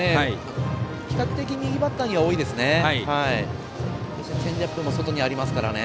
比較的右バッターには多いですね。